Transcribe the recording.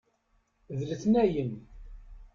D letnayen.